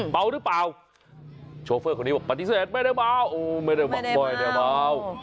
เมาหรือเปล่าโชเฟอร์คนนี้บอกปฏิเสธไม่ได้เมาโอ้ไม่ได้เมา